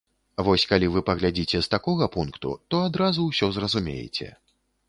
Вось калі вы паглядзіце з такога пункту, то адразу ўсё зразумееце.